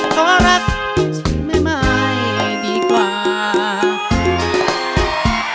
ขอรักแม่ไม้ดีกว่า